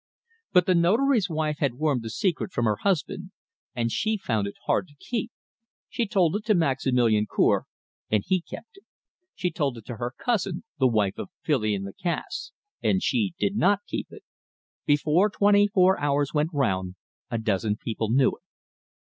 But the Notary's wife had wormed the secret from her husband, and she found it hard to keep. She told it to Maximilian Cour, and he kept it. She told it to her cousin, the wife of Filion Lacasse, and she did not keep it. Before twenty four hours went round, a dozen people knew it.